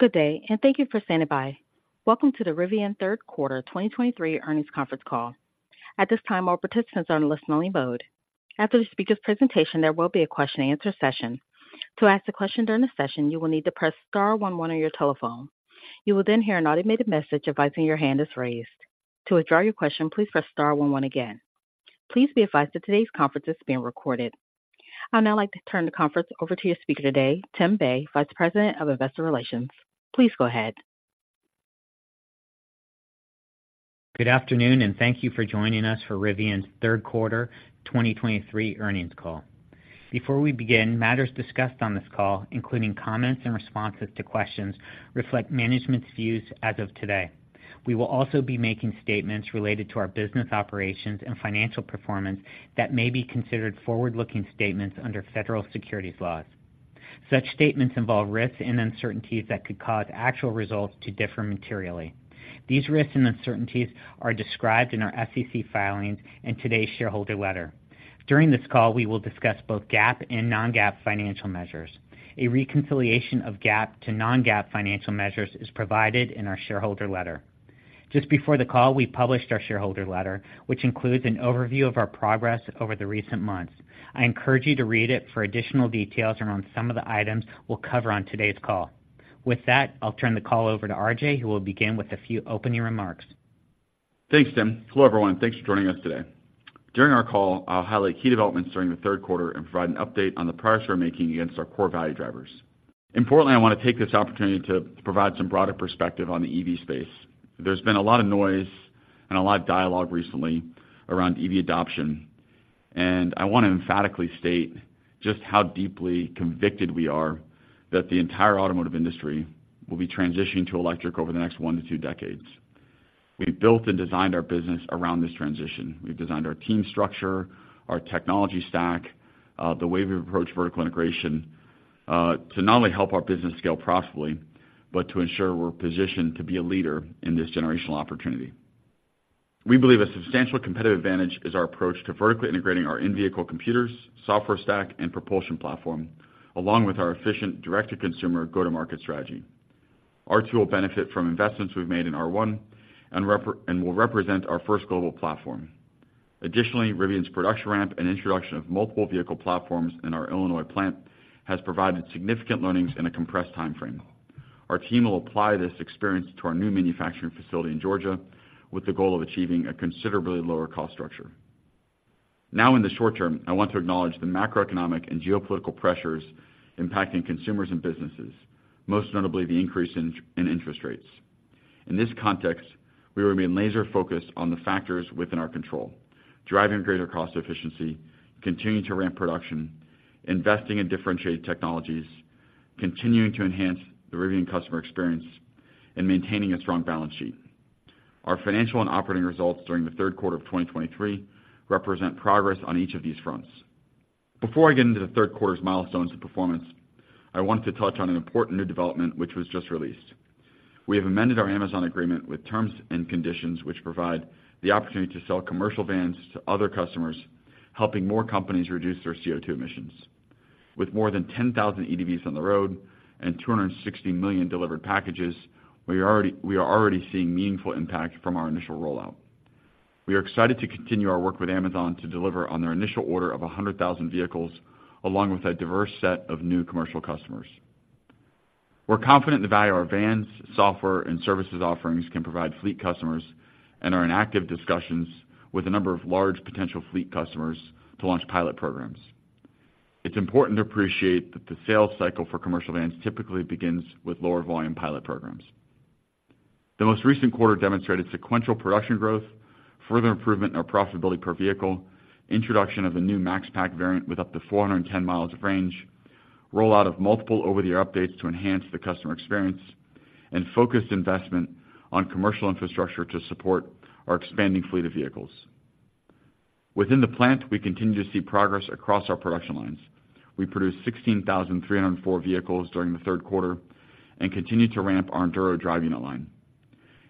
Good day, and thank you for standing by. Welcome to the Rivian Third Quarter 2023 Earnings Conference Call. At this time, all participants are in listen-only mode. After the speaker's presentation, there will be a question-and-answer session. To ask a question during the session, you will need to press star one one on your telephone. You will then hear an automated message advising your hand is raised. To withdraw your question, please press star one one again. Please be advised that today's conference is being recorded. I'd now like to turn the conference over to your speaker today, Tim Bei, Vice President of Investor Relations. Please go ahead. Good afternoon, and thank you for joining us for Rivian's third quarter 2023 earnings call. Before we begin, matters discussed on this call, including comments and responses to questions, reflect management's views as of today. We will also be making statements related to our business operations and financial performance that may be considered forward-looking statements under federal securities laws. Such statements involve risks and uncertainties that could cause actual results to differ materially. These risks and uncertainties are described in our SEC filings and today's shareholder letter. During this call, we will discuss both GAAP and non-GAAP financial measures. A reconciliation of GAAP to non-GAAP financial measures is provided in our shareholder letter. Just before the call, we published our shareholder letter, which includes an overview of our progress over the recent months. I encourage you to read it for additional details around some of the items we'll cover on today's call. With that, I'll turn the call over to RJ, who will begin with a few opening remarks. Thanks, Tim. Hello, everyone, and thanks for joining us today. During our call, I'll highlight key developments during the third quarter and provide an update on the progress we're making against our core value drivers. Importantly, I wanna take this opportunity to provide some broader perspective on the EV space. There's been a lot of noise and a lot of dialogue recently around EV adoption, and I wanna emphatically state just how deeply convicted we are that the entire automotive industry will be transitioning to electric over the next 1-2 decades. We've built and designed our business around this transition. We've designed our team structure, our technology stack, the way we approach vertical integration, to not only help our business scale profitably, but to ensure we're positioned to be a leader in this generational opportunity. We believe a substantial competitive advantage is our approach to vertically integrating our in-vehicle computers, software stack, and propulsion platform, along with our efficient direct-to-consumer go-to-market strategy. R2 will benefit from investments we've made in R1 and will represent our first global platform. Additionally, Rivian's production ramp and introduction of multiple vehicle platforms in our Illinois plant has provided significant learnings in a compressed timeframe. Our team will apply this experience to our new manufacturing facility in Georgia, with the goal of achieving a considerably lower cost structure. Now, in the short term, I want to acknowledge the macroeconomic and geopolitical pressures impacting consumers and businesses, most notably the increase in interest rates. In this context, we remain laser focused on the factors within our control, driving greater cost efficiency, continuing to ramp production, investing in differentiated technologies, continuing to enhance the Rivian customer experience, and maintaining a strong balance sheet. Our financial and operating results during the third quarter of 2023 represent progress on each of these fronts. Before I get into the third quarter's milestones and performance, I want to touch on an important new development, which was just released. We have amended our Amazon agreement with terms and conditions, which provide the opportunity to sell commercial vans to other customers, helping more companies reduce their CO2 emissions. With more than 10,000 EDVs on the road and 260 million delivered packages, we are already seeing meaningful impact from our initial rollout. We are excited to continue our work with Amazon to deliver on their initial order of 100,000 vehicles, along with a diverse set of new commercial customers. We're confident in the value of our vans, software, and services offerings can provide fleet customers and are in active discussions with a number of large potential fleet customers to launch pilot programs. It's important to appreciate that the sales cycle for commercial vans typically begins with lower volume pilot programs. The most recent quarter demonstrated sequential production growth, further improvement in our profitability per vehicle, introduction of a new Max Pack variant with up to 410 miles of range, rollout of multiple over-the-air updates to enhance the customer experience, and focused investment on commercial infrastructure to support our expanding fleet of vehicles. Within the plant, we continue to see progress across our production lines. We produced 16,304 vehicles during the third quarter and continued to ramp our Enduro drive unit line.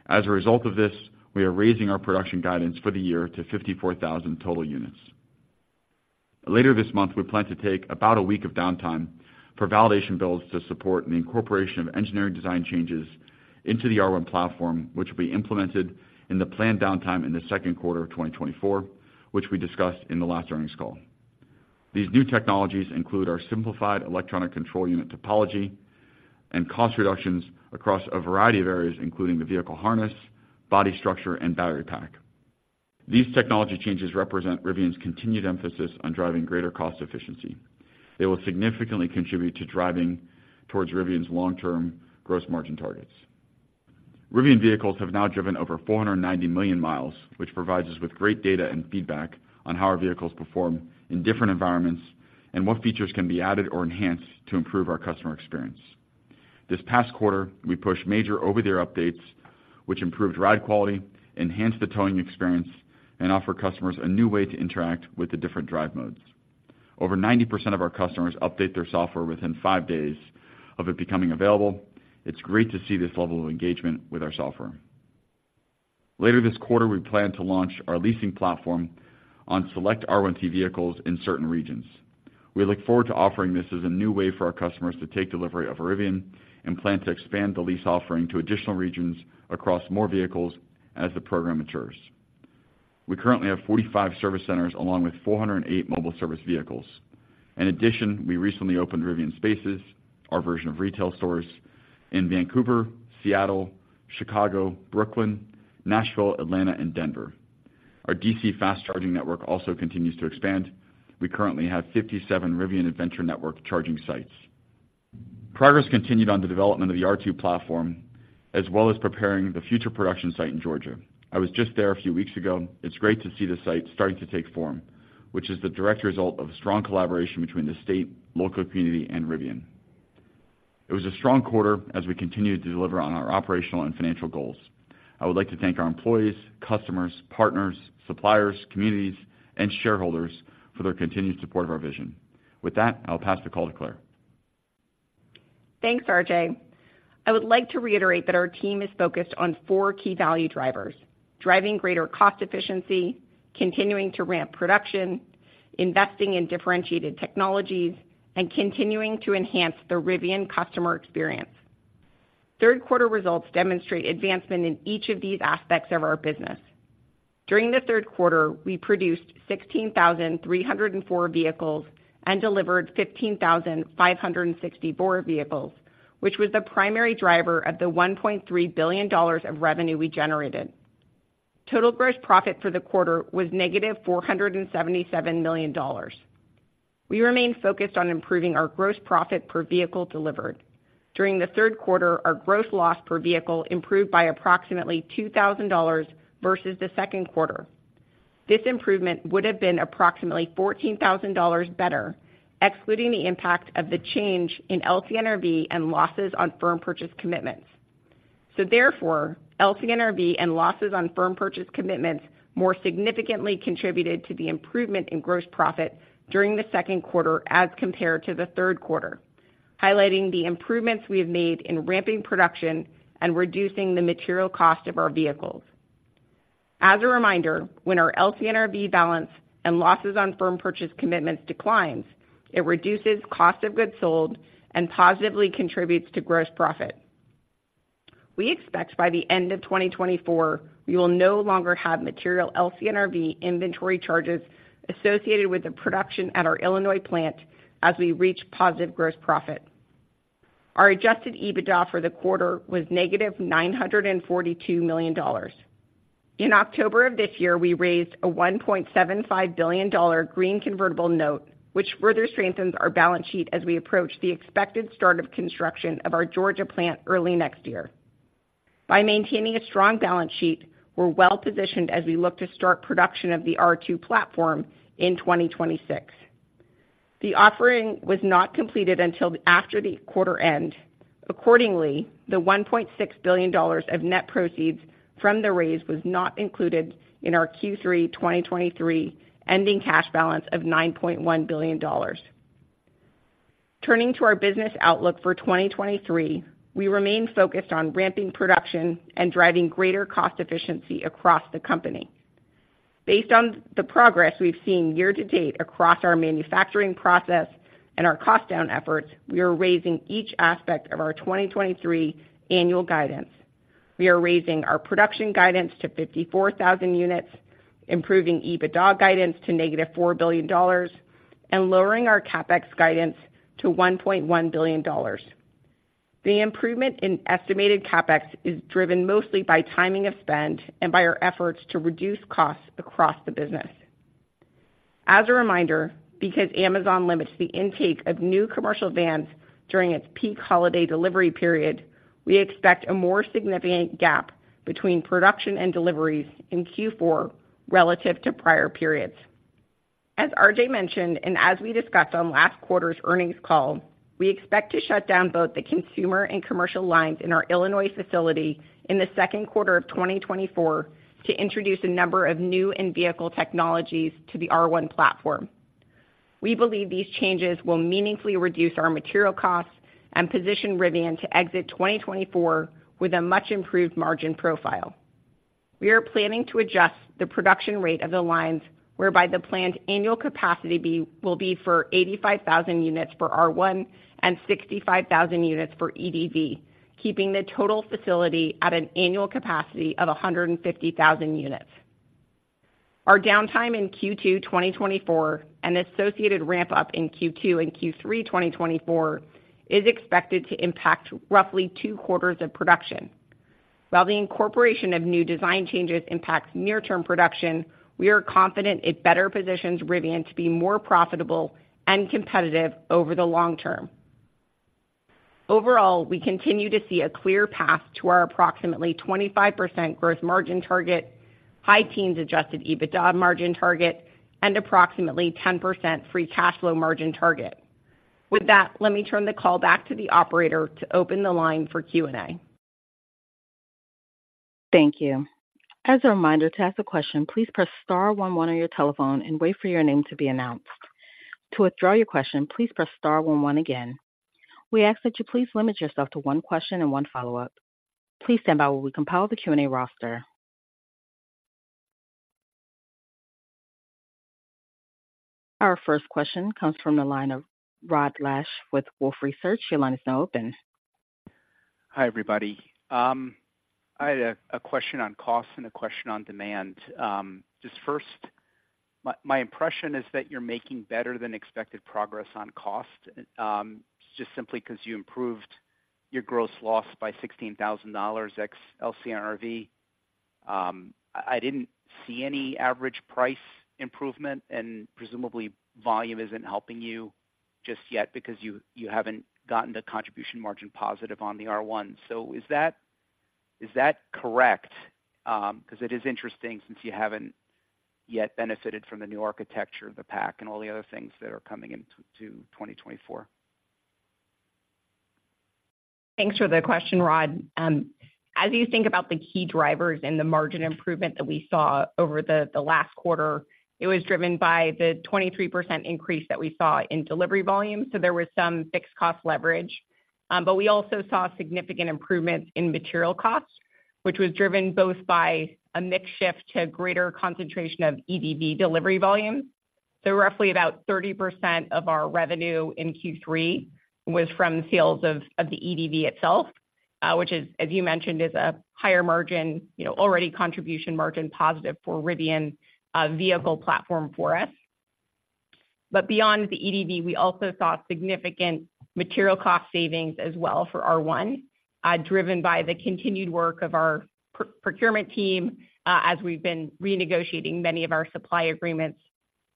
As a result of this, we are raising our production guidance for the year to 54,000 total units. Later this month, we plan to take about a week of downtime for validation builds to support the incorporation of engineering design changes into the R1 platform, which will be implemented in the planned downtime in the second quarter of 2024, which we discussed in the last earnings call. These new technologies include our simplified electronic control unit topology and cost reductions across a variety of areas, including the vehicle harness, body structure, and battery pack. These technology changes represent Rivian's continued emphasis on driving greater cost efficiency. They will significantly contribute to driving towards Rivian's long-term gross margin targets. Rivian vehicles have now driven over 490 million miles, which provides us with great data and feedback on how our vehicles perform in different environments and what features can be added or enhanced to improve our customer experience. This past quarter, we pushed major over-the-air updates, which improved ride quality, enhanced the towing experience, and offer customers a new way to interact with the different drive modes. Over 90% of our customers update their software within five days of it becoming available. It's great to see this level of engagement with our software. Later this quarter, we plan to launch our leasing platform on select R1T vehicles in certain regions. We look forward to offering this as a new way for our customers to take delivery of Rivian and plan to expand the lease offering to additional regions across more vehicles as the program matures. We currently have 45 service centers, along with 408 mobile service vehicles. In addition, we recently opened Rivian Spaces, our version of retail stores, in Vancouver, Seattle, Chicago, Brooklyn, Nashville, Atlanta, and Denver. Our DC fast charging network also continues to expand. We currently have 57 Rivian Adventure Network charging sites. Progress continued on the development of the R2 platform, as well as preparing the future production site in Georgia. I was just there a few weeks ago. It's great to see the site starting to take form, which is the direct result of strong collaboration between the state, local community, and Rivian. It was a strong quarter as we continued to deliver on our operational and financial goals. I would like to thank our employees, customers, partners, suppliers, communities, and shareholders for their continued support of our vision. With that, I'll pass the call to Claire. Thanks, RJ. I would like to reiterate that our team is focused on four key value drivers: driving greater cost efficiency, continuing to ramp production, investing in differentiated technologies, and continuing to enhance the Rivian customer experience. Third quarter results demonstrate advancement in each of these aspects of our business. During the third quarter, we produced 16,304 vehicles and delivered 15,564 vehicles, which was the primary driver of the $1.3 billion of revenue we generated. Total gross profit for the quarter was -$477 million. We remain focused on improving our gross profit per vehicle delivered. During the third quarter, our gross loss per vehicle improved by approximately $2,000 versus the second quarter. This improvement would have been approximately $14,000 better, excluding the impact of the change in LCNRV and losses on firm purchase commitments. So therefore, LCNRV and losses on firm purchase commitments more significantly contributed to the improvement in gross profit during the second quarter as compared to the third quarter, highlighting the improvements we have made in ramping production and reducing the material cost of our vehicles. As a reminder, when our LCNRV balance and losses on firm purchase commitments declines, it reduces cost of goods sold and positively contributes to gross profit. We expect by the end of 2024, we will no longer have material LCNRV inventory charges associated with the production at our Illinois plant as we reach positive gross profit. Our Adjusted EBITDA for the quarter was -$942 million. In October of this year, we raised a $1.75 billion green convertible note, which further strengthens our balance sheet as we approach the expected start of construction of our Georgia plant early next year. By maintaining a strong balance sheet, we're well-positioned as we look to start production of the R2 platform in 2026. The offering was not completed until after the quarter end. Accordingly, the $1.6 billion of net proceeds from the raise was not included in our Q3 2023 ending cash balance of $9.1 billion. Turning to our business outlook for 2023, we remain focused on ramping production and driving greater cost efficiency across the company. Based on the progress we've seen year to date across our manufacturing process and our cost down efforts, we are raising each aspect of our 2023 annual guidance. We are raising our production guidance to 54,000 units, improving EBITDA guidance to -$4 billion, and lowering our CapEx guidance to $1.1 billion. The improvement in estimated CapEx is driven mostly by timing of spend and by our efforts to reduce costs across the business. As a reminder, because Amazon limits the intake of new commercial vans during its peak holiday delivery period, we expect a more significant gap between production and deliveries in Q4 relative to prior periods. As RJ mentioned, and as we discussed on last quarter's earnings call, we expect to shut down both the consumer and commercial lines in our Illinois facility in the second quarter of 2024 to introduce a number of new in-vehicle technologies to the R1 platform. We believe these changes will meaningfully reduce our material costs and position Rivian to exit 2024 with a much improved margin profile. We are planning to adjust the production rate of the lines, whereby the planned annual capacity will be for 85,000 units for R1 and 65,000 units for EDV, keeping the total facility at an annual capacity of 150,000 units. Our downtime in Q2 2024 and associated ramp-up in Q2 and Q3 2024 is expected to impact roughly two quarters of production. While the incorporation of new design changes impacts near term production, we are confident it better positions Rivian to be more profitable and competitive over the long term. Overall, we continue to see a clear path to our approximately 25% gross margin target, high teens adjusted EBITDA margin target, and approximately 10% free cash flow margin target. With that, let me turn the call back to the operator to open the line for Q&A. Thank you. As a reminder, to ask a question, please press star one one on your telephone and wait for your name to be announced. To withdraw your question, please press star one one again. We ask that you please limit yourself to one question and one follow-up. Please stand by while we compile the Q&A roster. Our first question comes from the line of Rod Lache with Wolfe Research. Your line is now open. Hi, everybody. I had a question on costs and a question on demand. Just first, my impression is that you're making better than expected progress on cost, just simply because you improved your gross loss by $16,000 ex LCNRV. I didn't see any average price improvement, and presumably, volume isn't helping you just yet because you haven't gotten the contribution margin positive on the R1. So is that correct? Because it is interesting since you haven't yet benefited from the new architecture of the pack and all the other things that are coming in to 2024. Thanks for the question, Rod. As you think about the key drivers and the margin improvement that we saw over the last quarter, it was driven by the 23% increase that we saw in delivery volume. So there was some fixed cost leverage. But we also saw significant improvements in material costs, which was driven both by a mix shift to greater concentration of EDV delivery volume. So roughly about 30% of our revenue in Q3 was from sales of the EDV itself, which is, as you mentioned, a higher margin, you know, already contribution margin positive for Rivian vehicle platform for us. But beyond the EDV, we also saw significant material cost savings as well for R1, driven by the continued work of our procurement team, as we've been renegotiating many of our supply agreements.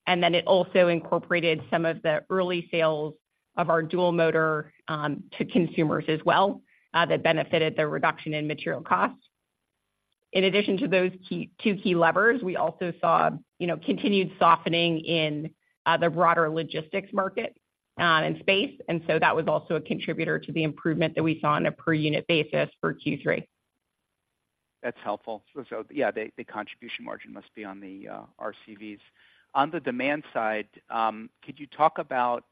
And then it also incorporated some of the early sales of our Dual-Motor to consumers as well, that benefited the reduction in material costs. In addition to those two key levers, we also saw, you know, continued softening in the broader logistics market, and space, and so that was also a contributor to the improvement that we saw on a per unit basis for Q3. That's helpful. So yeah, the contribution margin must be on the RCVs. On the demand side, could you talk about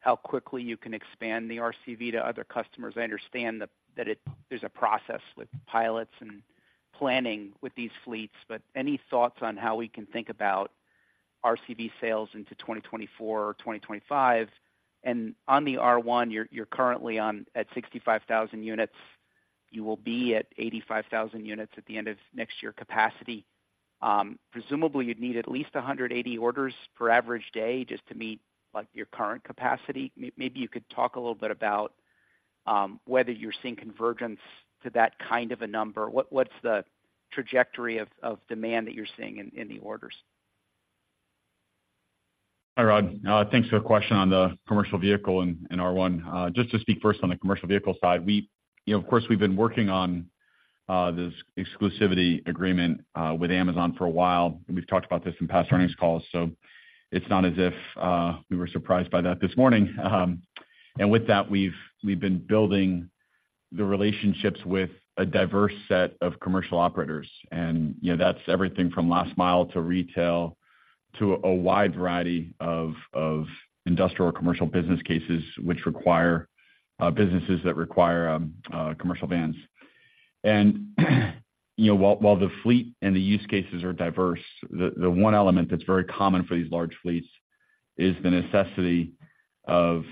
how quickly you can expand the RCV to other customers? I understand that there's a process with pilots and planning with these fleets, but any thoughts on how we can think about RCV sales into 2024 or 2025? And on the R1, you're currently at 65,000 units. You will be at 85,000 units at the end of next year capacity. Presumably, you'd need at least 180 orders per average day just to meet, like, your current capacity. Maybe you could talk a little bit about whether you're seeing convergence to that kind of a number. What's the trajectory of demand that you're seeing in the orders? Hi, Rod. Thanks for your question on the commercial vehicle and R1. Just to speak first on the commercial vehicle side, we, you know, of course, we've been working on this exclusivity agreement with Amazon for a while, and we've talked about this in past earnings calls, so it's not as if we were surprised by that this morning. And with that, we've been building the relationships with a diverse set of commercial operators, and, you know, that's everything from last mile to retail to a wide variety of industrial or commercial business cases, which require businesses that require commercial vans. You know, while the fleet and the use cases are diverse, the one element that's very common for these large fleets is the necessity of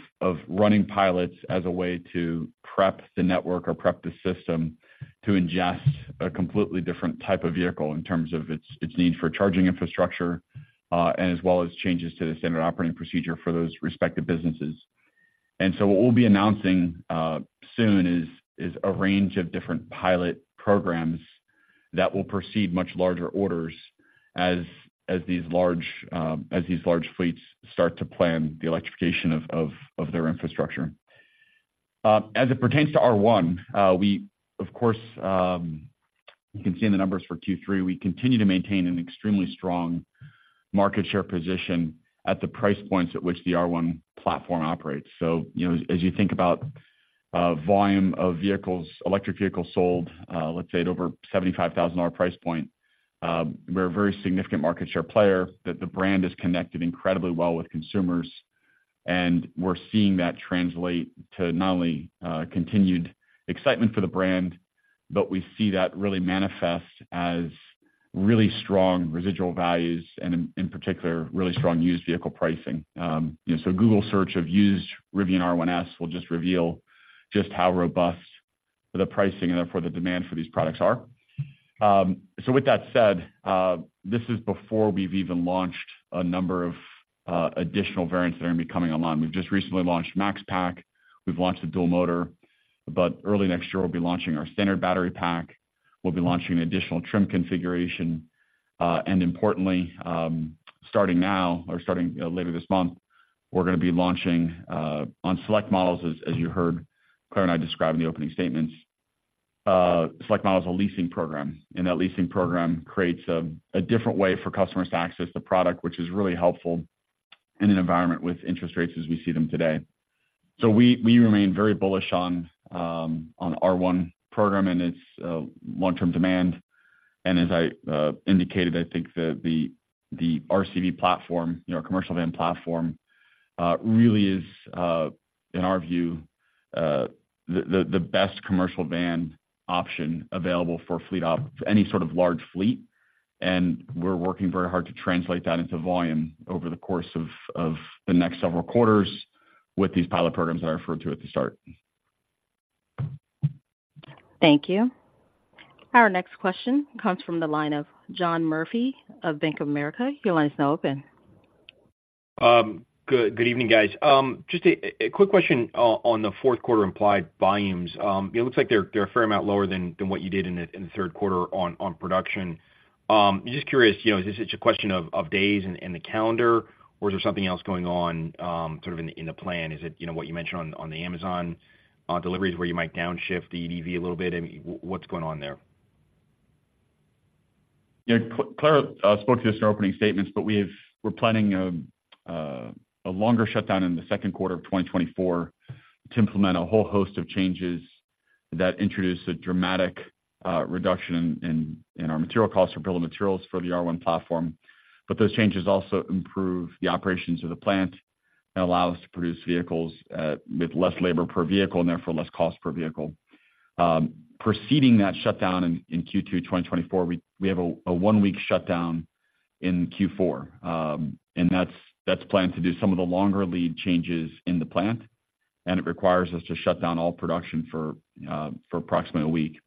running pilots as a way to prep the network or prep the system to ingest a completely different type of vehicle in terms of its need for charging infrastructure, and as well as changes to the standard operating procedure for those respective businesses. And so what we'll be announcing soon is a range of different pilot programs that will proceed much larger orders as these large fleets start to plan the electrification of their infrastructure. As it pertains to R1, we, of course, you can see in the numbers for Q3, we continue to maintain an extremely strong market share position at the price points at which the R1 platform operates. So, you know, as you think about, volume of vehicles, electric vehicles sold, let's say at over $75,000 price point, we're a very significant market share player, that the brand is connected incredibly well with consumers. And we're seeing that translate to not only, continued excitement for the brand, but we see that really manifest as really strong residual values and in, in particular, really strong used vehicle pricing. You know, so Google search of used Rivian R1S will just reveal just how robust the pricing, and therefore, the demand for these products are. So with that said, this is before we've even launched a number of additional variants that are going to be coming online. We've just recently launched Max Pack. We've launched the dual motor, but early next year, we'll be launching our standard battery pack. We'll be launching an additional trim configuration, and importantly, starting now, or starting, you know, later this month, we're gonna be launching on select models, as you heard Claire and I describe in the opening statements, select models on leasing program. And that leasing program creates a different way for customers to access the product, which is really helpful in an environment with interest rates as we see them today. So we remain very bullish on our R1 program and its long-term demand. As I indicated, I think the RCV platform, you know, commercial van platform, really is, in our view, the best commercial van option available for any sort of large fleet. And we're working very hard to translate that into volume over the course of the next several quarters with these pilot programs that I referred to at the start. Thank you. Our next question comes from the line of John Murphy of Bank of America. Your line is now open. Good evening, guys. Just a quick question on the fourth quarter implied volumes. It looks like they're a fair amount lower than what you did in the third quarter on production. I'm just curious, you know, is this just a question of days and the calendar, or is there something else going on sort of in the plan? Is it, you know, what you mentioned on the Amazon deliveries, where you might downshift the EDV a little bit? I mean, what's going on there? Yeah. Claire spoke to this in our opening statements, but we're planning a longer shutdown in the second quarter of 2024 to implement a whole host of changes that introduce a dramatic reduction in our material costs for building materials for the R1 platform. But those changes also improve the operations of the plant and allow us to produce vehicles with less labor per vehicle and therefore less cost per vehicle. Preceding that shutdown in Q2 2024, we have a one-week shutdown in Q4. And that's planned to do some of the longer lead changes in the plant, and it requires us to shut down all production for approximately a week.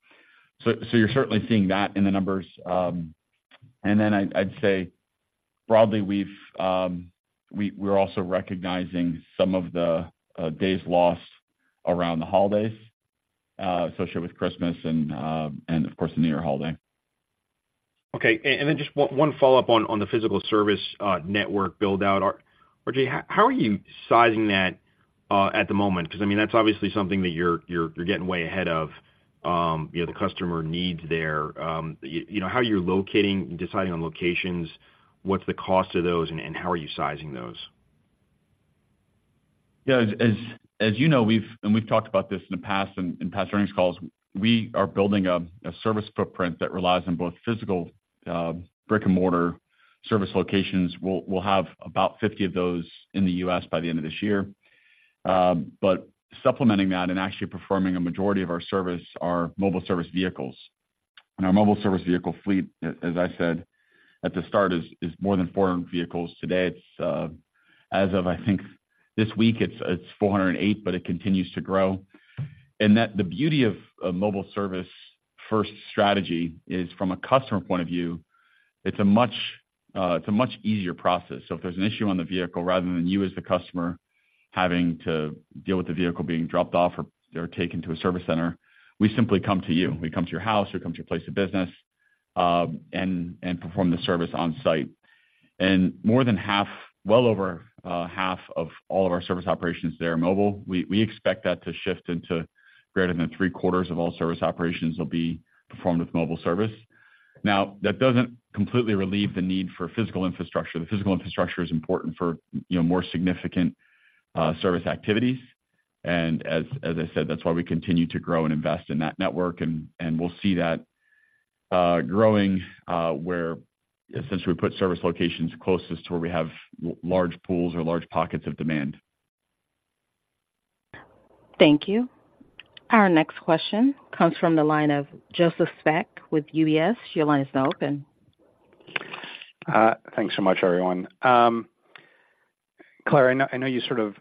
So you're certainly seeing that in the numbers. Then I'd say broadly, we're also recognizing some of the days lost around the holidays associated with Christmas and, of course, the New Year holiday. Okay. And then just one follow-up on the physical service network build-out. RJ, how are you sizing that at the moment? 'Cause, I mean, that's obviously something that you're getting way ahead of, you know, the customer needs there. You know, how you're locating, deciding on locations, what's the cost of those, and how are you sizing those? Yeah, as you know, we've talked about this in the past, in past earnings calls, we are building a service footprint that relies on both physical brick-and-mortar service locations. We'll have about 50 of those in the U.S. by the end of this year. But supplementing that and actually performing a majority of our service are mobile service vehicles. And our mobile service vehicle fleet, as I said at the start, is more than 400 vehicles today. It's, as of, I think, this week, it's 408, but it continues to grow. And that's the beauty of a mobile service-first strategy is, from a customer point of view, it's a much easier process. So if there's an issue on the vehicle, rather than you, as the customer, having to deal with the vehicle being dropped off or taken to a service center, we simply come to you. We come to your house, we come to your place of business, and perform the service on-site. And more than half, well over, half of all of our service operations, they are mobile. We expect that to shift into greater than three-quarters of all service operations will be performed with mobile service. Now, that doesn't completely relieve the need for physical infrastructure. The physical infrastructure is important for, you know, more significant service activities. And as I said, that's why we continue to grow and invest in that network, and we'll see that growing, where essentially we put service locations closest to where we have large pools or large pockets of demand. Thank you. Our next question comes from the line of Joseph Spak with UBS. Your line is now open. Thanks so much, everyone. Claire, I know, I know you sort of,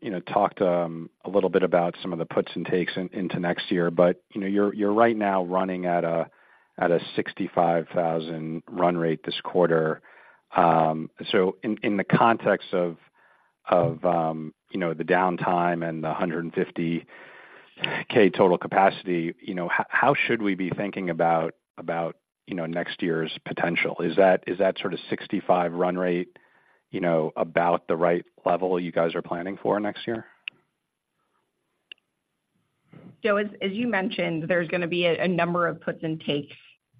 you know, talked, a little bit about some of the puts and takes into next year, but, you know, you're, you're right now running at a, at a 65,000 run rate this quarter. So in, in the context of, of, you know, the downtime and the 150K total capacity, you know, how should we be thinking about, about, you know, next year's potential? Is that, is that sort of 65,000 run rate, you know, about the right level you guys are planning for next year? Joe, as you mentioned, there's gonna be a number of puts and takes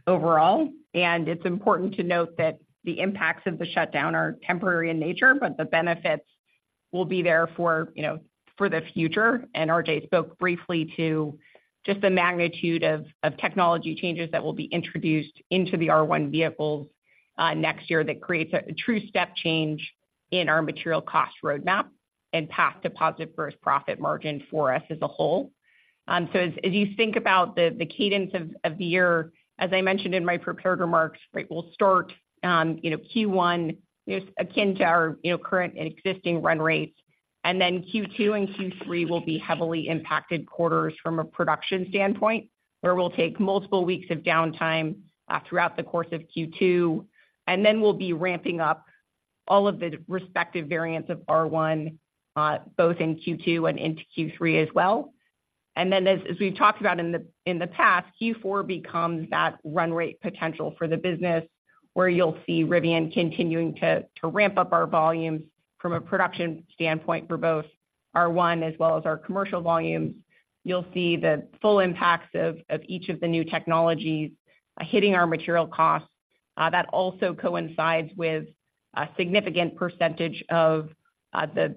overall. It's important to note that the impacts of the shutdown are temporary in nature, but the benefits will be there for, you know, for the future. RJ spoke briefly to just the magnitude of technology changes that will be introduced into the R1 vehicles next year, that creates a true step change in our material cost roadmap and path to positive gross profit margin for us as a whole. As you think about the cadence of the year, as I mentioned in my prepared remarks, right, we'll start, you know, Q1, just akin to our, you know, current and existing run rates. And then Q2 and Q3 will be heavily impacted quarters from a production standpoint, where we'll take multiple weeks of downtime throughout the course of Q2, and then we'll be ramping up all of the respective variants of R1 both in Q2 and into Q3 as well. And then as we've talked about in the past, Q4 becomes that run rate potential for the business, where you'll see Rivian continuing to ramp up our volumes from a production standpoint for both R1 as well as our commercial volumes. You'll see the full impacts of each of the new technologies hitting our material costs that also coincides with a significant percentage of the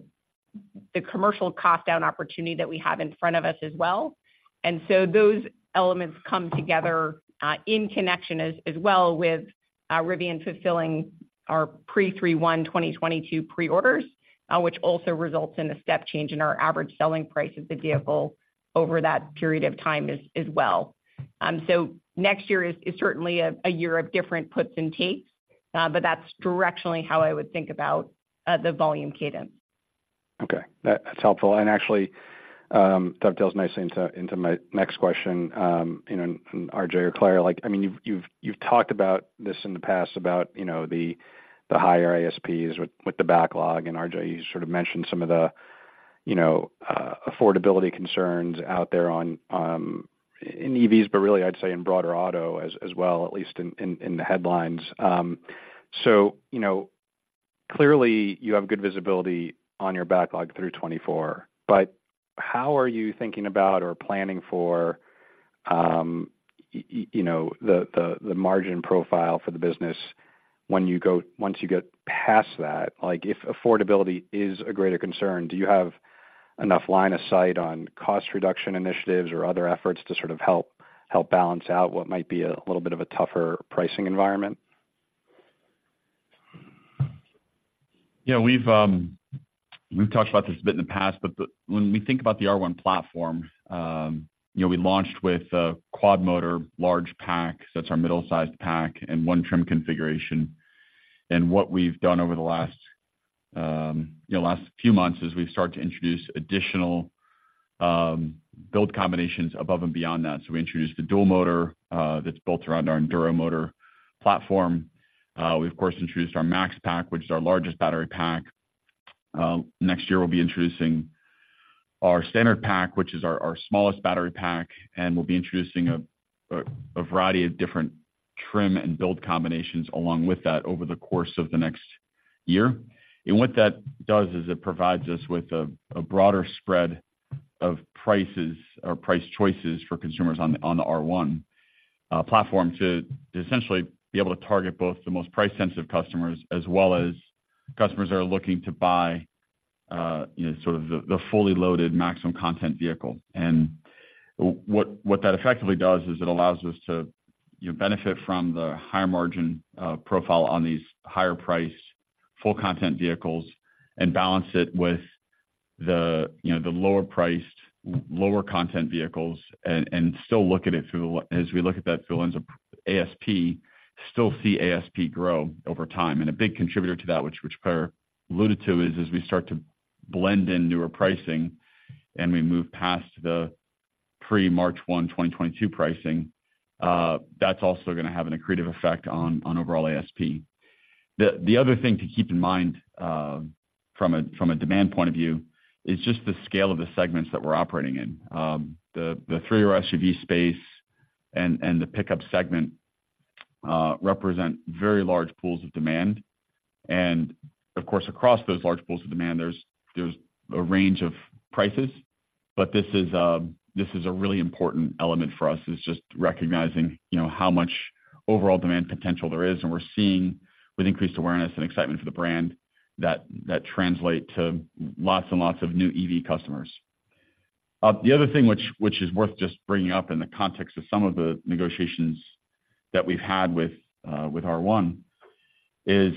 commercial cost down opportunity that we have in front of us as well. And so those elements come together, in connection as, as well with, Rivian fulfilling our pre-3/1/2022 pre-orders, which also results in a step change in our average selling price of the vehicle over that period of time as, as well. So next year is, is certainly a, a year of different puts and takes, but that's directionally how I would think about, the volume cadence. Okay. That's helpful, and actually, dovetails nicely into my next question. You know, and RJ or Claire, like, I mean, you've talked about this in the past about, you know, the higher ASPs with the backlog, and RJ, you sort of mentioned some of the, you know, affordability concerns out there on in EVs, but really, I'd say in broader auto as well, at least in the headlines. So, you know, clearly, you have good visibility on your backlog through 2024, but how are you thinking about or planning for, you know, the margin profile for the business when you go once you get past that? Like, if affordability is a greater concern, do you have enough line of sight on cost reduction initiatives or other efforts to sort of help balance out what might be a little bit of a tougher pricing environment? Yeah. We've talked about this a bit in the past, but when we think about the R1 platform, you know, we launched with a Quad-Motor, Large Pack, that's our middle-sized pack, and one trim configuration. And what we've done over the last, you know, last few months is we've started to introduce additional build combinations above and beyond that. So we introduced a dual motor, that's built around our Enduro motor platform. We, of course, introduced our Max Pack, which is our largest battery pack. Next year, we'll be introducing our Standard Pack, which is our smallest battery pack, and we'll be introducing a variety of different trim and build combinations along with that over the course of the next year. What that does is it provides us with a broader spread of prices or price choices for consumers on the R1 platform, to essentially be able to target both the most price-sensitive customers as well as customers that are looking to buy, you know, sort of the fully loaded maximum content vehicle. What that effectively does is it allows us to benefit from the higher margin profile on these higher priced, full content vehicles and balance it with the, you know, the lower priced, lower content vehicles and still look at it through the lens of ASP, still see ASP grow over time. And a big contributor to that, which Claire alluded to, is as we start to blend in newer pricing, and we move past the pre-March 1, 2022 pricing, that's also gonna have an accretive effect on overall ASP. The other thing to keep in mind, from a demand point of view, is just the scale of the segments that we're operating in. The three-row SUV space and the pickup segment represent very large pools of demand. And, of course, across those large pools of demand, there's a range of prices, but this is a really important element for us, is just recognizing, you know, how much overall demand potential there is. And we're seeing, with increased awareness and excitement for the brand, that translate to lots and lots of new EV customers. The other thing which is worth just bringing up in the context of some of the negotiations that we've had with R1 is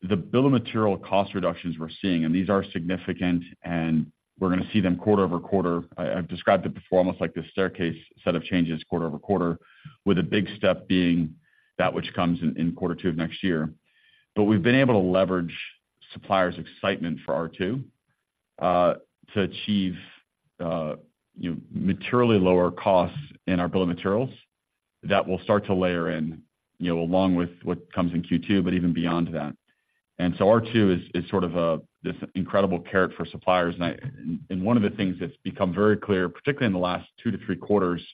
the bill of materials cost reductions we're seeing, and these are significant, and we're gonna see them quarter-over-quarter. I've described it before, almost like this staircase set of changes quarter-over-quarter, with a big step being that which comes in quarter two of next year. But we've been able to leverage suppliers' excitement for R2 to achieve, you know, materially lower costs in our bill of materials that will start to layer in, you know, along with what comes in Q2, but even beyond that. And so R2 is sort of this incredible carrot for suppliers. And one of the things that's become very clear, particularly in the last 2-3 quarters,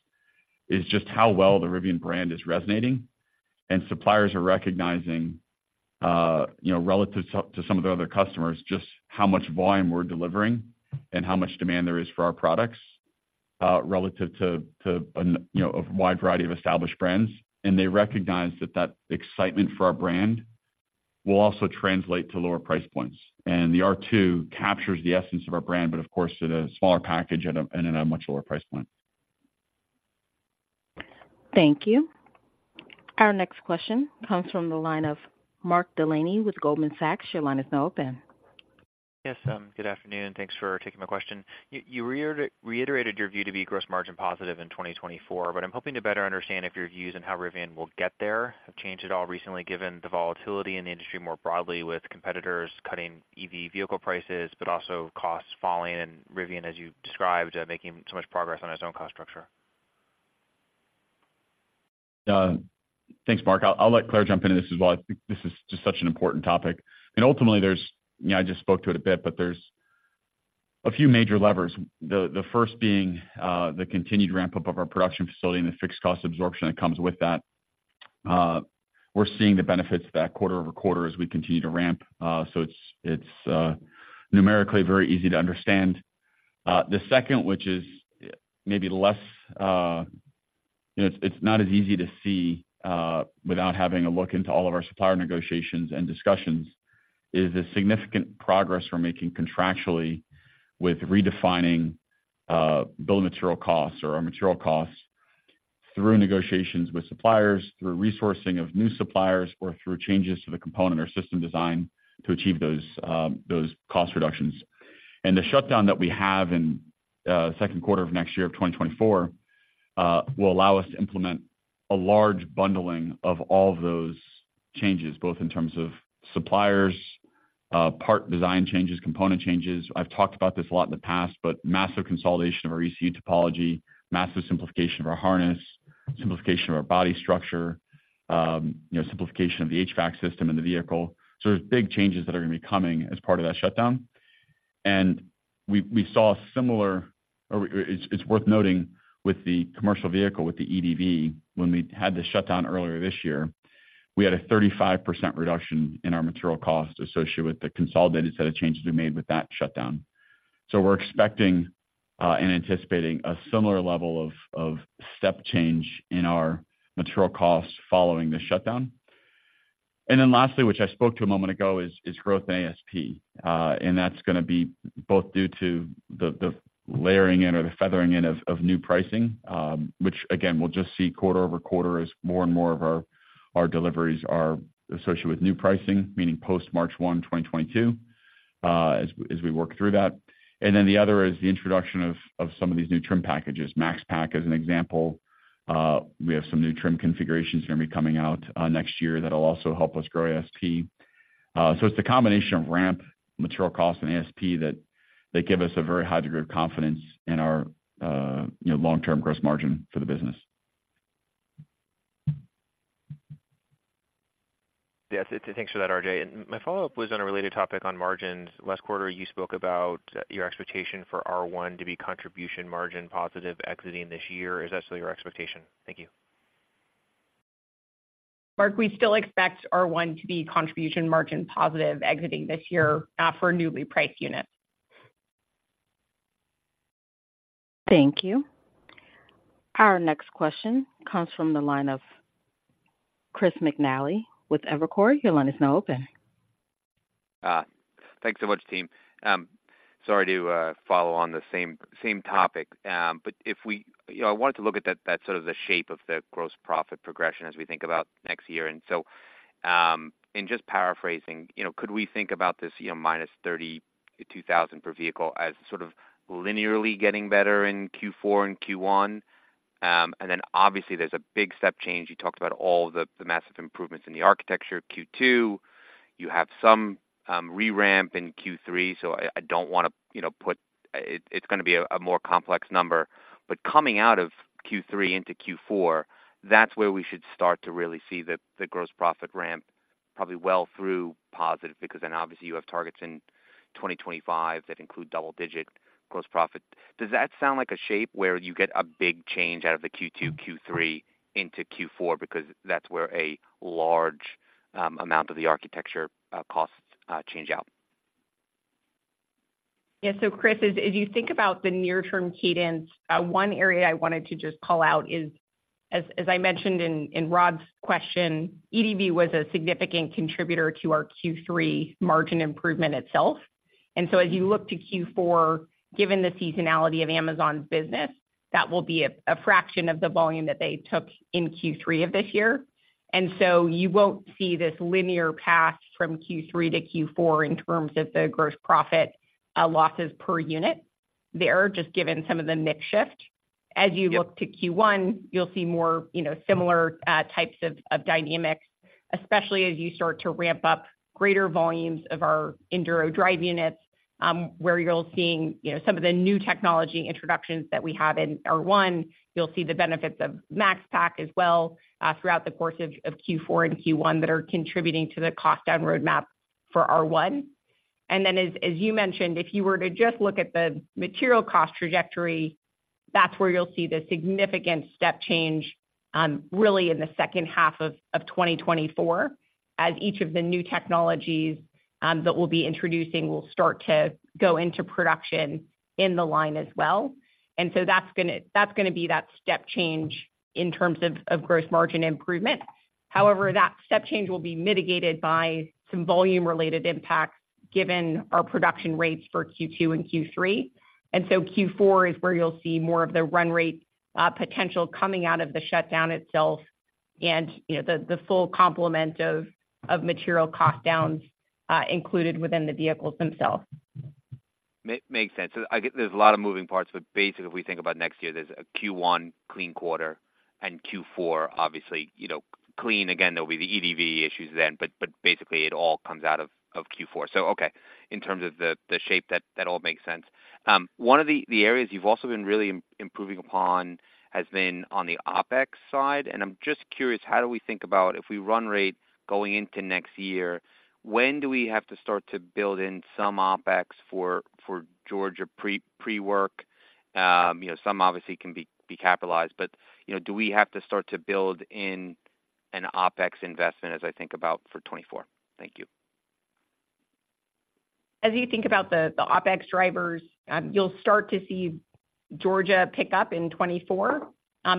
is just how well the Rivian brand is resonating. And suppliers are recognizing, you know, relative to some of their other customers, just how much volume we're delivering and how much demand there is for our products, relative to an, you know, a wide variety of established brands. And they recognize that that excitement for our brand will also translate to lower price points. And the R2 captures the essence of our brand, but of course, at a smaller package and at a much lower price point. Thank you. Our next question comes from the line of Mark Delaney with Goldman Sachs. Your line is now open. Yes, good afternoon. Thanks for taking my question. You reiterated your view to be gross margin positive in 2024, but I'm hoping to better understand if your views on how Rivian will get there have changed at all recently, given the volatility in the industry more broadly with competitors cutting EV vehicle prices, but also costs falling, and Rivian, as you described, making so much progress on its own cost structure. Thanks, Mark. I'll let Claire jump into this as well. I think this is just such an important topic. And ultimately, there's, you know, I just spoke to it a bit, but there's a few major levers. The first being the continued ramp-up of our production facility and the fixed cost absorption that comes with that. We're seeing the benefits of that quarter-over-quarter as we continue to ramp. So it's numerically very easy to understand The second, which is maybe less, you know, it's not as easy to see, without having a look into all of our supplier negotiations and discussions, is the significant progress we're making contractually with redefining bill material costs or our material costs through negotiations with suppliers, through resourcing of new suppliers, or through changes to the component or system design to achieve those cost reductions. And the shutdown that we have in second quarter of next year, of 2024, will allow us to implement a large bundling of all of those changes, both in terms of suppliers, part design changes, component changes. I've talked about this a lot in the past, but massive consolidation of our ECU topology, massive simplification of our harness, simplification of our body structure, you know, simplification of the HVAC system in the vehicle. So there's big changes that are going to be coming as part of that shutdown. And we saw a similar, or it's worth noting with the commercial vehicle, with the EDV, when we had the shutdown earlier this year, we had a 35% reduction in our material costs associated with the consolidated set of changes we made with that shutdown. So we're expecting and anticipating a similar level of step change in our material costs following the shutdown. And then lastly, which I spoke to a moment ago, is growth in ASP. And that's gonna be both due to the, the layering in or the feathering in of new pricing, which again, we'll just see quarter-over-quarter as more and more of our deliveries are associated with new pricing, meaning post March 1, 2022, as we work through that. And then the other is the introduction of some of these new trim packages. Max Pack, as an example, we have some new trim configurations going to be coming out next year that will also help us grow ASP. So it's a combination of ramp, material cost and ASP that give us a very high degree of confidence in our, you know, long-term gross margin for the business. Yes, thanks for that, RJ. My follow-up was on a related topic on margins. Last quarter, you spoke about your expectation for R1 to be contribution margin positive exiting this year. Is that still your expectation? Thank you. Mark, we still expect R1 to be contribution Margin positive exiting this year for newly priced units. Thank you. Our next question comes from the line of Chris McNally with Evercore. Your line is now open. Thanks so much, team. Sorry to follow on the same topic, but if we, you know, I wanted to look at that sort of the shape of the gross profit progression as we think about next year. And so, in just paraphrasing, you know, could we think about this, you know, -$32,000 per vehicle as sort of linearly getting better in Q4 and Q1? And then obviously, there's a big step change. You talked about all the massive improvements in the architecture, Q2, you have some re-ramp in Q3, so I don't want to, you know, put it's gonna be a more complex number. But coming out of Q3 into Q4, that's where we should start to really see the gross profit ramp, probably well through positive, because then obviously you have targets in 2025 that include double digit gross profit. Does that sound like a shape where you get a big change out of the Q2, Q3 into Q4? Because that's where a large amount of the architecture costs change out. Yeah. So, Chris, as you think about the near-term cadence, one area I wanted to just call out is, as I mentioned in Rod's question, EDV was a significant contributor to our Q3 margin improvement itself. And so as you look to Q4, given the seasonality of Amazon's business, that will be a fraction of the volume that they took in Q3 of this year. And so you won't see this linear path from Q3 to Q4 in terms of the gross profit losses per unit. They're just given some of the mix shift. As you look to Q1, you'll see more, you know, similar types of dynamics, especially as you start to ramp up greater volumes of our Enduro drive units, where you're seeing, you know, some of the new technology introductions that we have in R1. You'll see the benefits of Max Pack as well, throughout the course of Q4 and Q1 that are contributing to the cost down roadmap for R1. And then, as you mentioned, if you were to just look at the material cost trajectory, that's where you'll see the significant step change, really in the second half of 2024, as each of the new technologies that we'll be introducing will start to go into production in the line as well. And so that's gonna be that step change in terms of gross margin improvement. However, that step change will be mitigated by some volume-related impacts, given our production rates for Q2 and Q3. Q4 is where you'll see more of the run rate potential coming out of the shutdown itself and, you know, the full complement of material cost downs included within the vehicles themselves. Makes sense. So I get there's a lot of moving parts, but basically, if we think about next year, there's a Q1 clean quarter and Q4, obviously, you know, clean. Again, there'll be the EDV issues then, but basically it all comes out of Q4. So okay, in terms of the shape that all makes sense. One of the areas you've also been really improving upon has been on the OpEx side. And I'm just curious, how do we think about if we run rate going into next year, when do we have to start to build in some OpEx for Georgia pre-work? You know, some obviously can be capitalized, but, you know, do we have to start to build in an OpEx investment as I think about for 2024? Thank you. As you think about the OpEx drivers, you'll start to see Georgia pick up in 2024.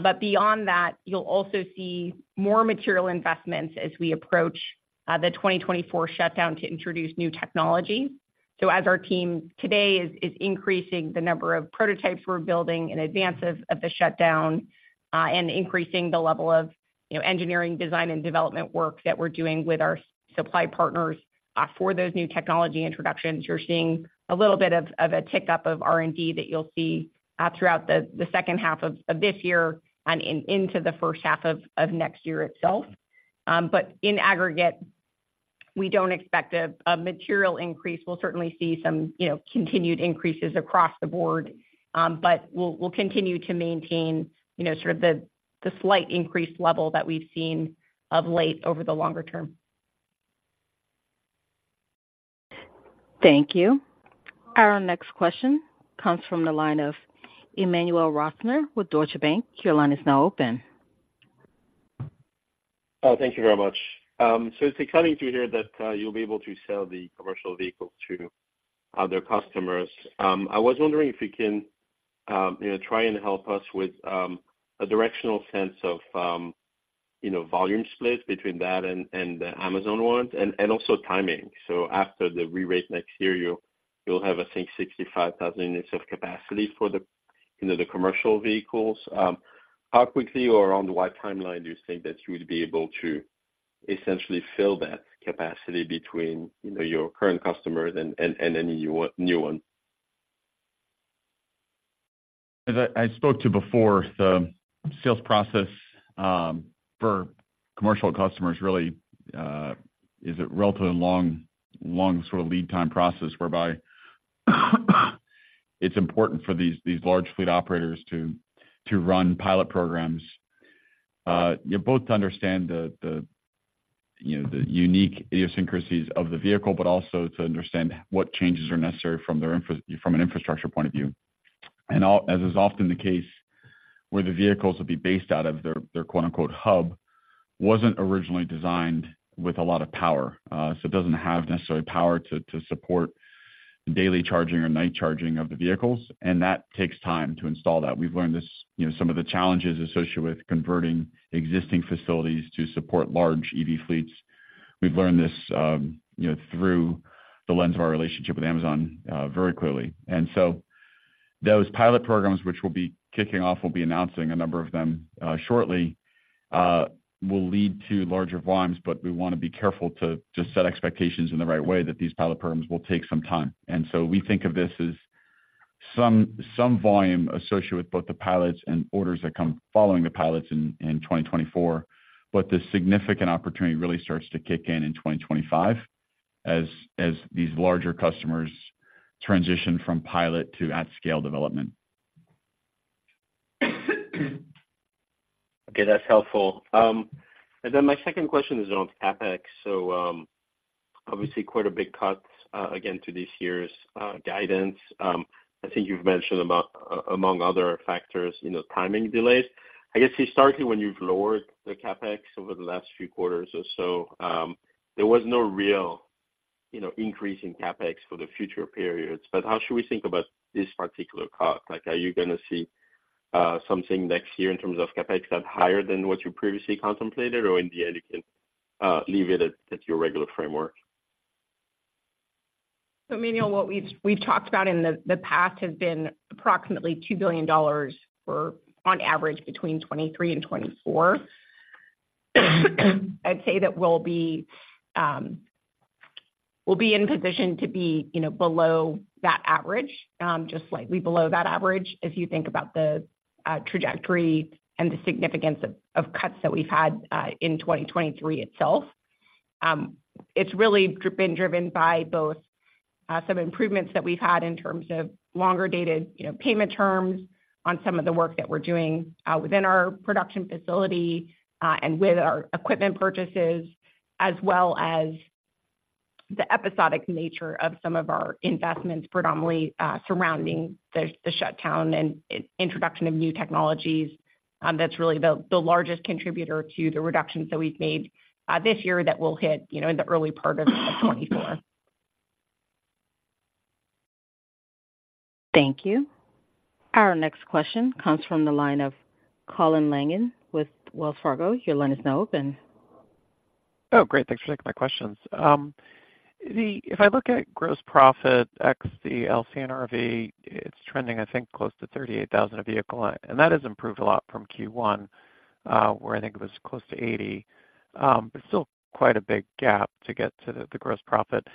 But beyond that, you'll also see more material investments as we approach the 2024 shutdown to introduce new technology. So as our team today is increasing the number of prototypes we're building in advance of the shutdown, and increasing the level of, you know, engineering, design, and development work that we're doing with our supply partners for those new technology introductions. You're seeing a little bit of a tick up of R&D that you'll see throughout the second half of this year and into the first half of next year itself. But in aggregate, we don't expect a material increase. We'll certainly see some, you know, continued increases across the board, but we'll continue to maintain, you know, sort of the slight increased level that we've seen of late over the longer term. Thank you. Our next question comes from the line of Emmanuel Rosner with Deutsche Bank. Your line is now open. Oh, thank you very much. So it's coming through here that you'll be able to sell the commercial vehicle to other customers. I was wondering if you can, you know, try and help us with a directional sense of, you know, volume split between that and the Amazon ones, and also timing. So after the re-rate next year, you'll have, I think, 65,000 units of capacity for the, you know, the commercial vehicles. How quickly or around what timeline do you think that you would be able to essentially fill that capacity between, you know, your current customers and any new ones? As I spoke to before, the sales process for commercial customers really is a relatively long, long sort of lead time process, whereby it's important for these large fleet operators to run pilot programs. Yeah, both to understand the you know the unique idiosyncrasies of the vehicle, but also to understand what changes are necessary from their infrastructure point of view. As is often the case, where the vehicles will be based out of their quote-unquote "hub" wasn't originally designed with a lot of power, so it doesn't have necessary power to support daily charging or night charging of the vehicles, and that takes time to install that. We've learned this, you know, some of the challenges associated with converting existing facilities to support large EV fleets. We've learned this, you know, through the lens of our relationship with Amazon, very clearly. And so those pilot programs, which we'll be kicking off, we'll be announcing a number of them, shortly, will lead to larger volumes, but we wanna be careful to just set expectations in the right way, that these pilot programs will take some time. And so we think of this as some volume associated with both the pilots and orders that come following the pilots in 2024. But the significant opportunity really starts to kick in in 2025, as these larger customers transition from pilot to at-scale development. Okay, that's helpful. And then my second question is on CapEx. So, obviously quite a big cut, again, to this year's guidance. I think you've mentioned about among other factors, you know, timing delays. I guess historically, when you've lowered the CapEx over the last few quarters or so, there was no real, you know, increase in CapEx for the future periods. But how should we think about this particular cut? Like, are you gonna see something next year in terms of CapEx that higher than what you previously contemplated, or in the end, you can leave it at your regular framework? So Emmanuel, what we've, we've talked about in the, the past has been approximately $2 billion for, on average, between 2023 and 2024. I'd say that we'll be, we'll be in position to be, you know, below that average, just slightly below that average. If you think about the, trajectory and the significance of, of cuts that we've had, in 2023 itself. It's really been driven by both, some improvements that we've had in terms of longer dated, you know, payment terms on some of the work that we're doing, within our production facility, and with our equipment purchases, as well as the episodic nature of some of our investments, predominantly, surrounding the, the shutdown and introduction of new technologies. That's really the largest contributor to the reductions that we've made this year that will hit, you know, in the early part of 2024. Thank you. Our next question comes from the line of Colin Langan with Wells Fargo. Your line is now open. Oh, great. Thanks for taking my questions. If I look at gross profit, XC, LC, and RV, it's trending, I think, close to $38,000 a vehicle, and that has improved a lot from Q1, where I think it was close to $80,000. But still quite a big gap to get to the, the gross profit.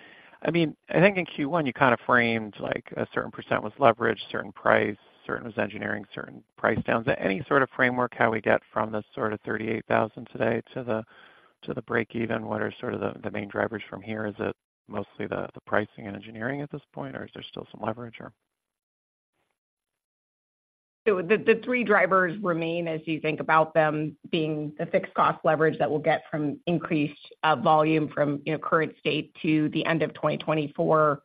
I mean, I think in Q1, you kind of framed like a certain percent was leverage, certain price, certain was engineering, certain price downs. Any sort of framework, how we get from the sort of $38,000 today to the, to the break even? What are sort of the, the main drivers from here? Is it mostly the, the pricing and engineering at this point, or is there still some leverage or? So the three drivers remain as you think about them being the fixed cost leverage that we'll get from increased volume from, you know, current state to the end of 2024,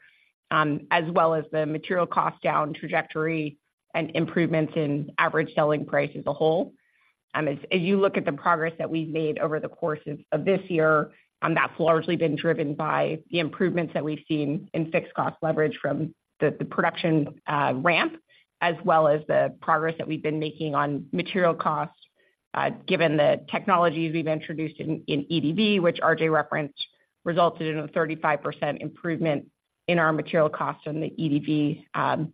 as well as the material cost down trajectory and improvements in average selling price as a whole. As you look at the progress that we've made over the course of this year, that's largely been driven by the improvements that we've seen in fixed cost leverage from the production ramp, as well as the progress that we've been making on material costs, given the technologies we've introduced in EDV, which RJ referenced, resulted in a 35% improvement in our material costs on the EDV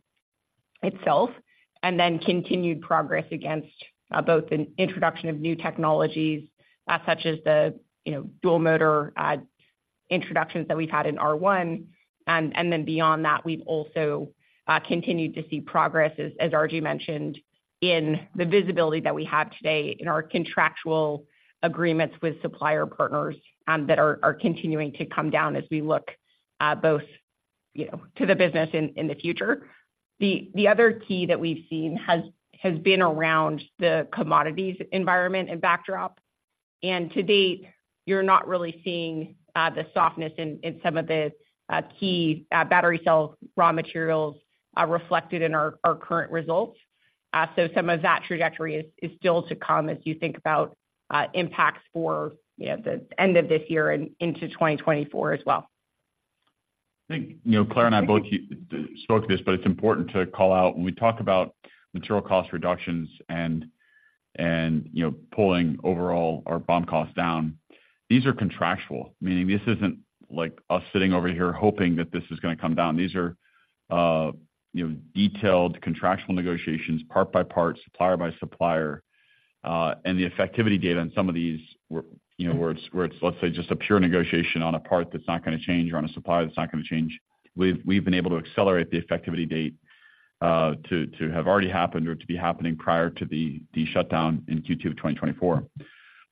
itself. And then continued progress against both an introduction of new technologies, such as the, you know, dual motor introductions that we've had in R1. And then beyond that, we've also continued to see progress, as RJ mentioned, in the visibility that we have today in our contractual agreements with supplier partners that are continuing to come down as we look, both, you know, to the business in the future. The other key that we've seen has been around the commodities environment and backdrop. And to date, you're not really seeing the softness in some of the key battery cells, raw materials reflected in our current results. So some of that trajectory is still to come as you think about impacts for, you know, the end of this year and into 2024 as well. I think, you know, Claire and I both spoke to this, but it's important to call out when we talk about material cost reductions and, you know, pulling overall our BOM costs down, these are contractual. Meaning this isn't like us sitting over here hoping that this is gonna come down. These are, you know, detailed contractual negotiations, part by part, supplier by supplier, and the effectivity date on some of these were, you know, let's say, just a pure negotiation on a part that's not gonna change or on a supplier that's not gonna change. We've been able to accelerate the effectivity date, to have already happened or to be happening prior to the shutdown in Q2 of 2024.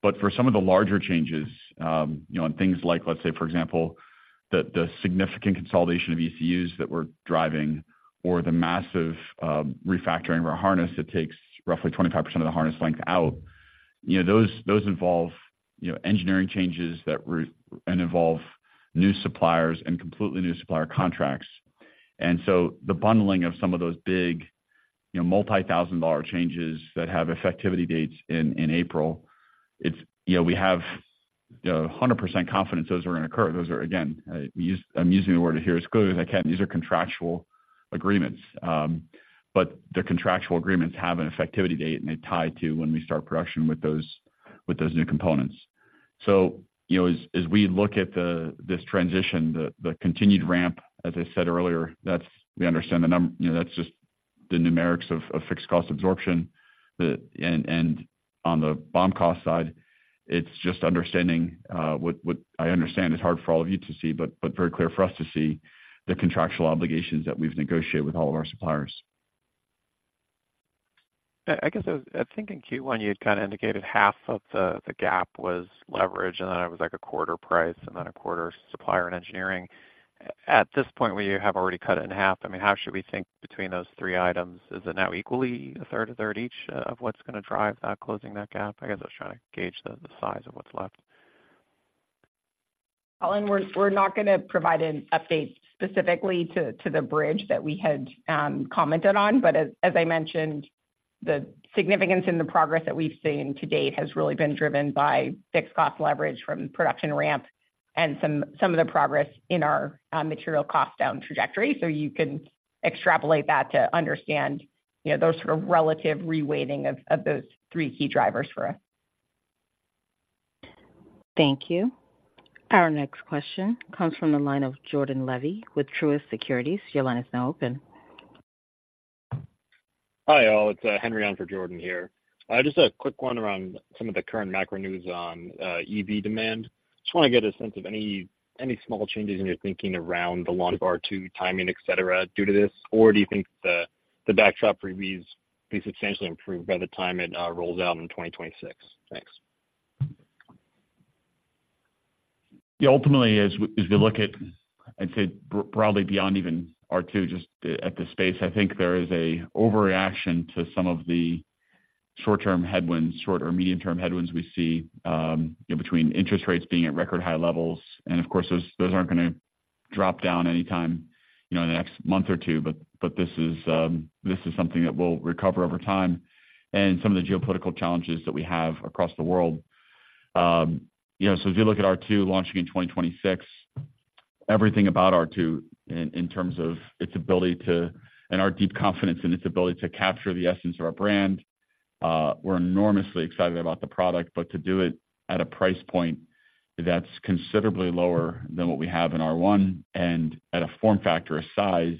But for some of the larger changes, you know, on things like, let's say, for example, the significant consolidation of ECUs that we're driving or the massive refactoring of our harness, it takes roughly 25% of the harness length out. You know, those, those involve, you know, engineering changes that and involve new suppliers and completely new supplier contracts. And so the bundling of some of those big, you know, multi-thousand-dollar changes that have effectivity dates in April, it's. You know, we have 100% confidence those are going to occur. Those are, again, I'm using the word here as clearly as I can. These are contractual agreements, but the contractual agreements have an effectivity date, and they're tied to when we start production with those new components. So, you know, as we look at this transition, the continued ramp, as I said earlier, that's, we understand the numerics of fixed cost absorption. You know, that's just the numerics of fixed cost absorption. And on the BOM cost side, it's just understanding what I understand is hard for all of you to see, but very clear for us to see the contractual obligations that we've negotiated with all of our suppliers. I guess, I think in Q1, you had kind of indicated half of the gap was leverage, and then it was like a quarter price and then a quarter supplier and engineering. At this point, where you have already cut it in half, I mean, how should we think between those three items? Is it now equally a third, a third each, of what's gonna drive that, closing that gap? I guess I was trying to gauge the size of what's left. Colin, we're not gonna provide an update specifically to the bridge that we had commented on, but as I mentioned, the significance in the progress that we've seen to date has really been driven by fixed cost leverage from production ramp and some of the progress in our material cost down trajectory. So you can extrapolate that to understand, you know, those sort of relative reweighting of those three key drivers for us. Thank you. Our next question comes from the line of Jordan Levy with Truist Securities. Your line is now open. Hi, all. It's Henry on for Jordan here. Just a quick one around some of the current macro news on EV demand. Just wanna get a sense of any, any small changes in your thinking around the launch of R2, timing, et cetera, due to this? Or do you think the backdrop for EVs be substantially improved by the time it rolls out in 2026? Thanks. Yeah, ultimately, as we look at, I'd say broadly, beyond even R2, just at the space, I think there is an overreaction to some of the short-term headwinds, short or medium-term headwinds we see, between interest rates being at record high levels, and of course, those aren't gonna drop down anytime, you know, in the next month or two. But this is something that will recover over time and some of the geopolitical challenges that we have across the world. You know, so if you look at R2 launching in 2026, everything about R2 in terms of its ability to and our deep confidence in its ability to capture the essence of our brand, we're enormously excited about the product. But to do it at a price point that's considerably lower than what we have in R1 and at a form factor, a size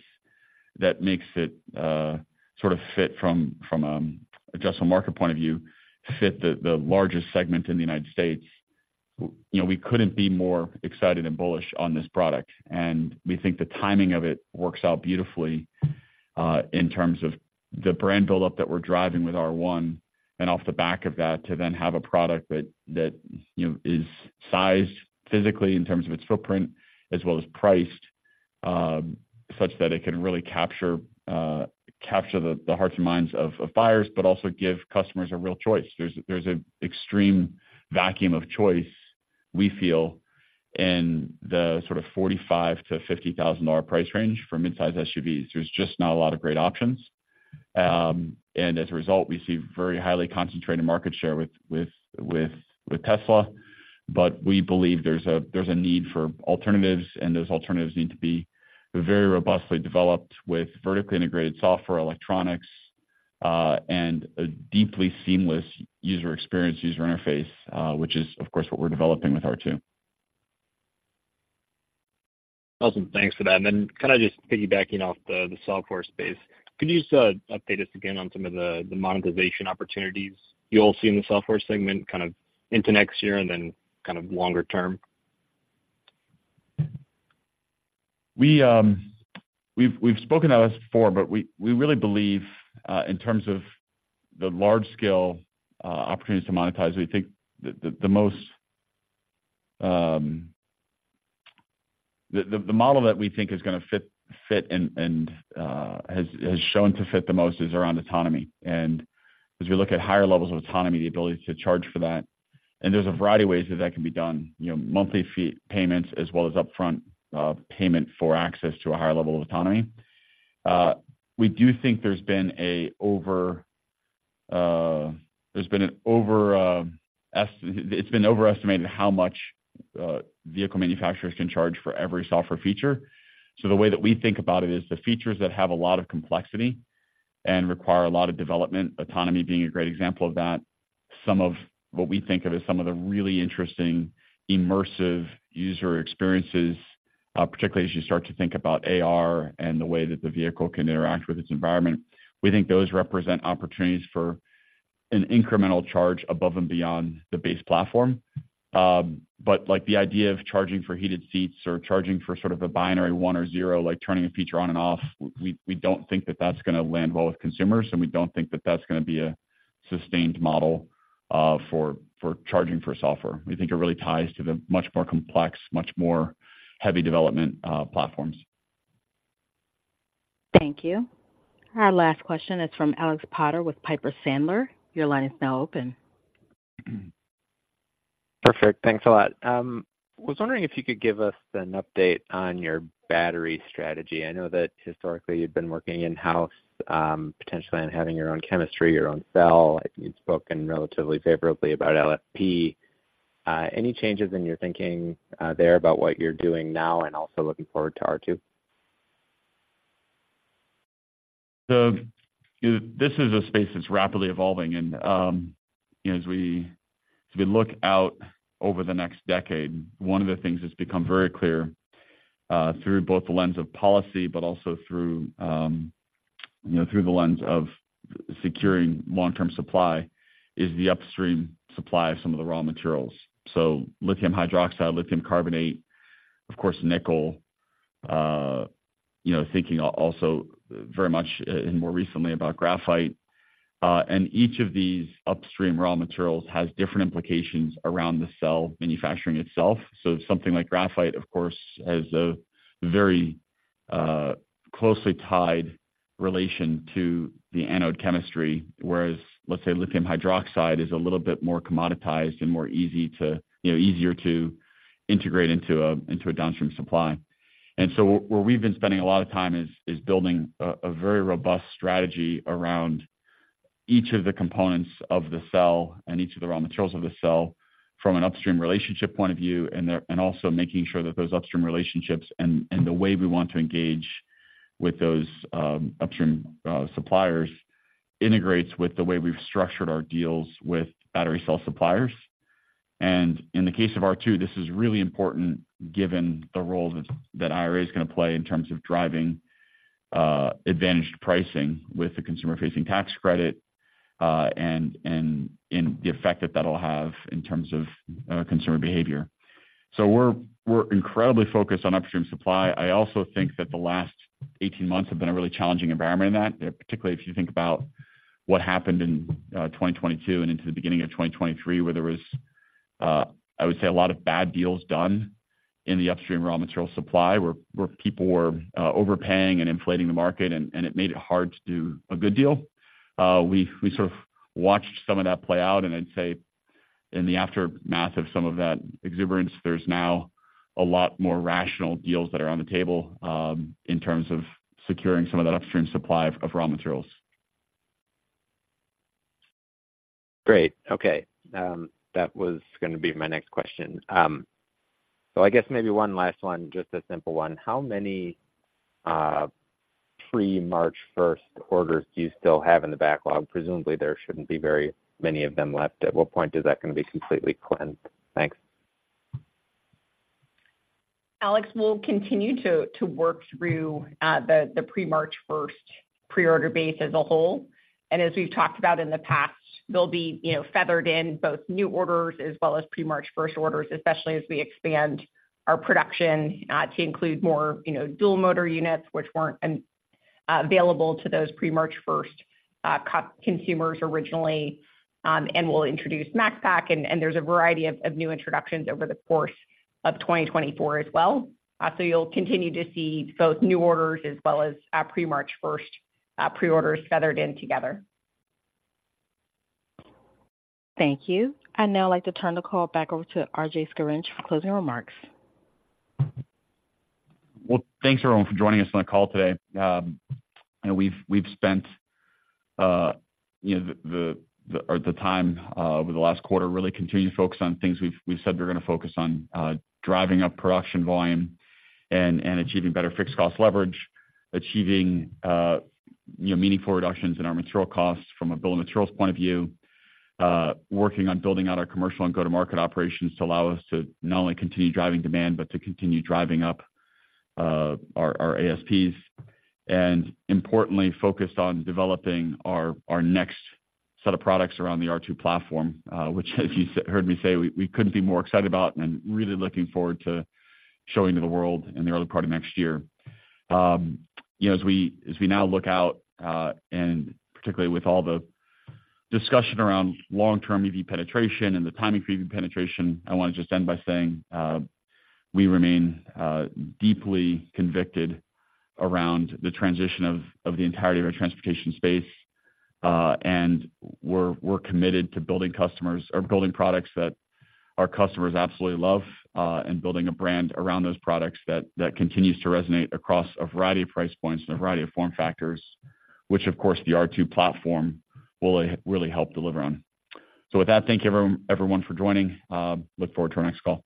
that makes it sort of fit from an addressable market point of view, fit the largest segment in the United States, you know, we couldn't be more excited and bullish on this product. We think the timing of it works out beautifully in terms of the brand buildup that we're driving with R1, and off the back of that, to then have a product that, you know, is sized physically in terms of its footprint, as well as priced such that it can really capture the hearts and minds of buyers, but also give customers a real choice. There's an extreme vacuum of choice, we feel, in the sort of $45,000-$50,000 price range for midsize SUVs. There's just not a lot of great options. And as a result, we see very highly concentrated market share with Tesla. But we believe there's a need for alternatives, and those alternatives need to be very robustly developed with vertically integrated software, electronics, and a deeply seamless user experience, user interface, which is, of course, what we're developing with R2. Awesome, thanks for that. And then kind of just piggybacking off the, the software space, could you just update us again on some of the, the monetization opportunities you all see in the software segment, kind of into next year and then kind of longer term? We've spoken about this before, but we really believe in terms of the large scale opportunities to monetize. We think the most the model that we think is gonna fit and has shown to fit the most is around autonomy. And as we look at higher levels of autonomy, the ability to charge for that, and there's a variety of ways that that can be done. You know, monthly fee payments as well as upfront payment for access to a higher level of autonomy. We do think it's been overestimated how much vehicle manufacturers can charge for every software feature. So the way that we think about it is, the features that have a lot of complexity and require a lot of development, autonomy being a great example of that, some of what we think of as some of the really interesting immersive user experiences, particularly as you start to think about AR and the way that the vehicle can interact with its environment, we think those represent opportunities for an incremental charge above and beyond the base platform. But like the idea of charging for heated seats or charging for sort of a binary one or zero, like turning a feature on and off, we don't think that that's gonna land well with consumers, and we don't think that that's gonna be a sustained model, for charging for software. We think it really ties to the much more complex, much more heavy development, platforms. Thank you. Our last question is from Alex Potter with Piper Sandler. Your line is now open. Perfect. Thanks a lot. Was wondering if you could give us an update on your battery strategy. I know that historically you've been working in-house, potentially on having your own chemistry, your own cell. You've spoken relatively favorably about LFP. Any changes in your thinking, there about what you're doing now and also looking forward to R2? So this is a space that's rapidly evolving. And, you know, as we, as we look out over the next decade, one of the things that's become very clear, through both the lens of policy, but also through, you know, through the lens of securing long-term supply, is the upstream supply of some of the raw materials. So lithium hydroxide, lithium carbonate, of course, nickel, you know, thinking also very much and more recently about graphite. And each of these upstream raw materials has different implications around the cell manufacturing itself. So something like graphite, of course, has a very, closely tied relation to the anode chemistry, whereas, let's say, lithium hydroxide is a little bit more commoditized and more easy to, you know, easier to integrate into a, into a downstream supply. And so where we've been spending a lot of time is building a very robust strategy around each of the components of the cell and each of the raw materials of the cell from an upstream relationship point of view, and also making sure that those upstream relationships and the way we want to engage with those upstream suppliers integrates with the way we've structured our deals with battery cell suppliers. And in the case of R2, this is really important, given the role that IRA is gonna play in terms of driving advantaged pricing with the consumer-facing tax credit, and the effect that'll have in terms of consumer behavior. So we're incredibly focused on upstream supply. I also think that the last 18 months have been a really challenging environment in that, particularly if you think about what happened in 2022 and into the beginning of 2023, where there was, I would say, a lot of bad deals done in the upstream raw material supply, where people were overpaying and inflating the market, and it made it hard to do a good deal. We sort of watched some of that play out, and I'd say in the aftermath of some of that exuberance, there's now a lot more rational deals that are on the table, in terms of securing some of that upstream supply of raw materials. Great. Okay, that was gonna be my next question. So I guess maybe one last one, just a simple one. How many pre-March first orders do you still have in the backlog? Presumably, there shouldn't be very many of them left. At what point is that going to be completely cleansed? Thanks. Alex, we'll continue to work through the pre-March first pre-order base as a whole. And as we've talked about in the past, they'll be, you know, feathered in both new orders as well as pre-March first orders, especially as we expand our production to include more, you know, dual motor units, which weren't available to those pre-March first consumers originally, and we'll introduce Max Pack, and there's a variety of new introductions over the course of 2024 as well. So you'll continue to see both new orders as well as pre-March first pre-orders feathered in together. Thank you. I'd now like to turn the call back over to RJ Scaringe for closing remarks. Well, thanks, everyone, for joining us on the call today. We've spent, you know, the time over the last quarter, really continuing to focus on things we've said we're gonna focus on, driving up production volume and achieving better fixed cost leverage, achieving, you know, meaningful reductions in our material costs from a bill of materials point of view. Working on building out our commercial and go-to-market operations to allow us to not only continue driving demand, but to continue driving up our ASPs, and importantly, focused on developing our next set of products around the R2 platform, which as you said, heard me say, we couldn't be more excited about and really looking forward to showing to the world in the early part of next year. You know, as we now look out, and particularly with all the discussion around long-term EV penetration and the timing for EV penetration, I wanna just end by saying, we remain deeply convicted around the transition of the entirety of our transportation space. And we're committed to building customers or building products that our customers absolutely love, and building a brand around those products that continues to resonate across a variety of price points and a variety of form factors, which, of course, the R2 platform will really help deliver on. So with that, thank you, everyone for joining. Look forward to our next call.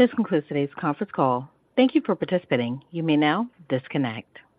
This concludes today's conference call. Thank you for participating. You may now disconnect.